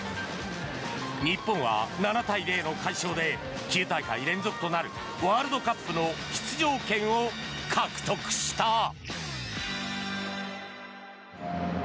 日本は７対０の快勝で９大会連続となるワールドカップの出場権を獲得した。